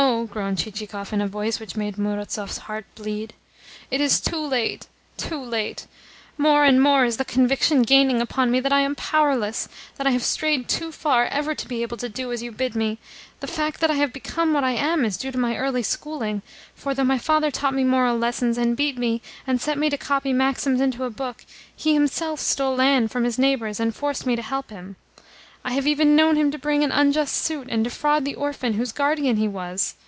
groaned Chichikov in a voice which made Murazov's heart bleed. "It is too late, too late. More and more is the conviction gaining upon me that I am powerless, that I have strayed too far ever to be able to do as you bid me. The fact that I have become what I am is due to my early schooling; for, though my father taught me moral lessons, and beat me, and set me to copy maxims into a book, he himself stole land from his neighbours, and forced me to help him. I have even known him to bring an unjust suit, and defraud the orphan whose guardian he was!